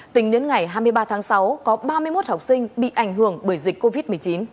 tính đến ngày hai mươi ba tháng sáu có ba mươi một học sinh bị ảnh hưởng bởi dịch covid một mươi chín